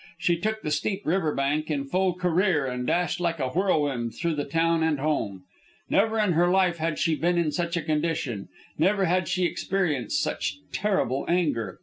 She took the steep river bank in full career and dashed like a whirlwind through the town and home. Never in her life had she been in such a condition; never had she experienced such terrible anger.